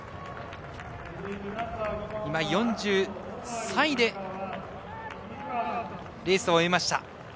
４３位でレースを終えました。